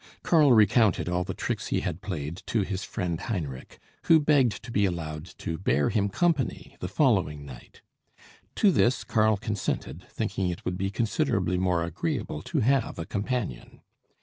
Karl recounted all the tricks he had played to his friend Heinrich, who begged to be allowed to bear him company the following night. To this Karl consented, thinking it would be considerably more agreeable to have a companion.